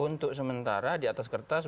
untuk sementara di atas kertas